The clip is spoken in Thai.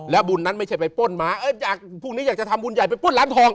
บุญนั้นไม่ใช่ไปป้นหมาพวกนี้อยากจะทำบุญใหญ่ไปปล้นร้านทอง